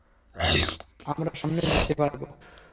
আমরা সামনে যেতে পারব।